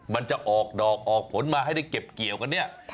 มันจะออกดอกออกผลมาให้ได้เก็บเกี่ยวกันเนี่ย